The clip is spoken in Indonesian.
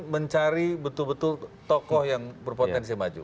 mencari betul betul tokoh yang berpotensi maju